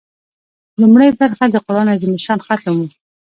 لومړۍ برخه د قران عظیم الشان ختم و.